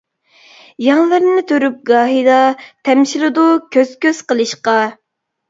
يەڭلىرىنى تۈرۈپ گاھىدا، تەمشىلىدۇ كۆز-كۆز قىلىشقا.